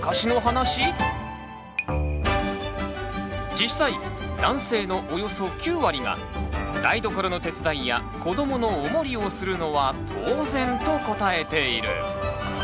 実際男性のおよそ９割が「台所の手伝いや子どものおもりをするのは当然」と答えている。